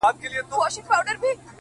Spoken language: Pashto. ته خو له هري ښيښې وځې و ښيښې ته ورځې;